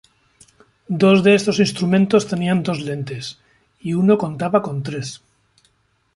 Dos de estos instrumentos tenían dos lentes, y uno contaba con tres.